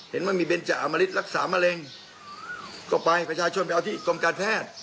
เห็นว่ามีเบนจาอมริตรักษามะเร็งก็ไปประชาชนไปเอาที่กรมการแพทย์